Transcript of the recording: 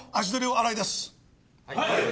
はい！